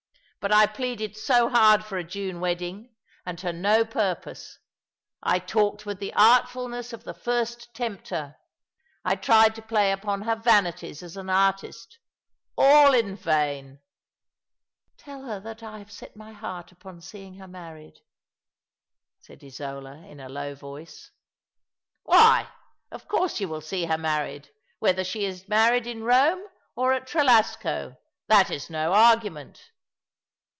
But I pleaded so hard for a June wedding — and to no purpose. I talked with the artfulness of the first Tempter— I tried to play upon her vanities as an artist. All in Tain !" ''Tell her that I have set my heart upon seeing her married," said Isola, in a low voice. " WTiy, of course, you will see her married, whether she be married in Rome or at Trelasco. That is no argu ment."